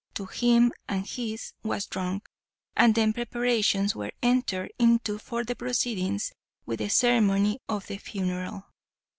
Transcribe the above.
to him and his, was drunk, and then preparations were entered Into for proceeding with the ceremony of the funeral.